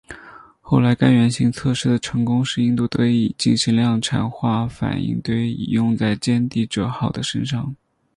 后来该原型测试的成功使印度得以进行量产化反应堆以用在歼敌者号的身上。